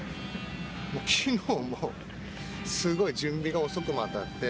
昨日もすごい準備が遅くまであって。